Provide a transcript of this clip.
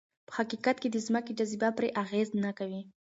په حقیقت کې د ځمکې جاذبه پرې اغېز نه کوي.